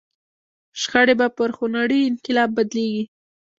شخړې به پر خونړي انقلاب بدلېږي.